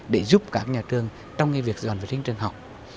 để giúp các nhà trường trong việc dọn vệ sinh trường học